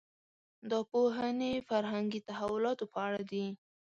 دا پوهنې فرهنګي تحولاتو په اړه دي.